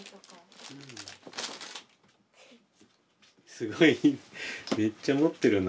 すごいめっちゃ持ってるな。